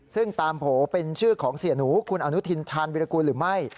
ซึ่งตามโผล่เป็นชื่อของเสียหนูคุณอนุทินชาญวิรากูลหรือไม่